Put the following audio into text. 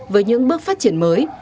với những bước phát triển mới